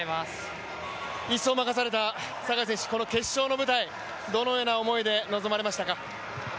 １走を任された坂井選手、この決勝の舞台どのような思いで臨まれましたか。